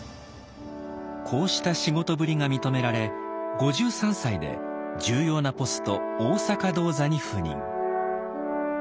こうした仕事ぶりが認められ５３歳で重要なポスト大坂銅座に赴任。